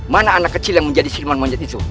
mana anak kecil yang menjadi sirman monyet itu